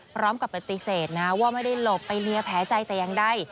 พร้อมกับปฏิเสธนะว่าไม่ได้หลบไปเลียแผลใจแต่อย่างใด